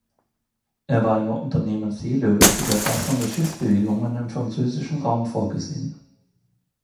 Er war im Unternehmen Seelöwe für die Erfassung der Schiffsbewegungen im französischen Raum vorgesehen.